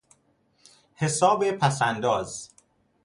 حساب پسانداز